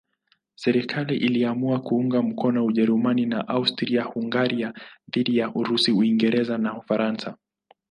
Serikali iliamua kuunga mkono Ujerumani na Austria-Hungaria dhidi ya Urusi, Uingereza na Ufaransa.